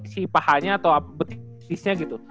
si pahanya atau apa betisnya gitu